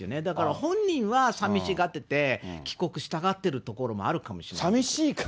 だから本人はさみしがってて、帰国したがってるところもあるかもしれない。